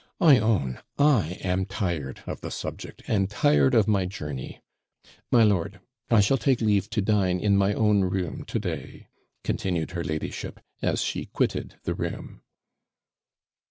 I own, I am tired of the subject, and tired of my journey. My lord, I shall take leave to dine in my own room to day,' continued her ladyship, as she quitted the room.